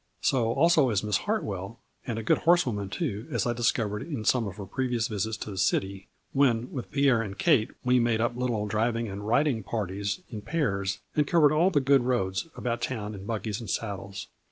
So also is Miss Hartwell, and a good horse woman too, as I discovered in some of her pre vious visits to the city, when, with Pierre and Kate we made up little driving and riding parties in pairs and covered all the good roads about town in buggies and saddles.